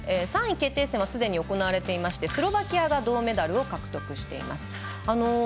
３位決定戦はすでに行われていましてスロバキアが銅メダルを獲得しています。